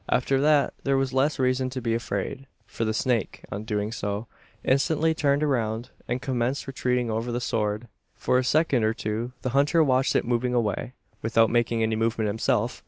After that there was less reason to be afraid; for the snake, on doing so, instantly turned round and commenced retreating over the sward. For a second or two the hunter watched it moving away, without making any movement himself.